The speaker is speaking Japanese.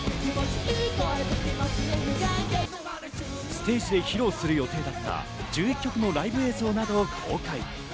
ステージで披露する予定だった１１曲のライブ映像などを公開。